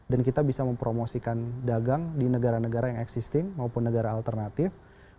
dan kita bisa mempromosikan dagang di negara negara yang existing maupun negara alternatif